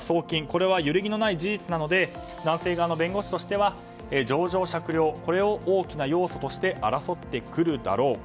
これはゆるぎのない事実なので男性側の弁護士としては情状酌量をこれを大きな要素として争ってくるだろう。